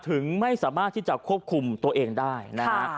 ถึงไม่สามารถที่จะควบคุมตัวเองได้นะฮะ